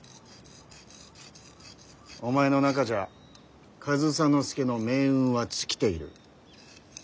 お前の中じゃ上総介の命運は尽きている。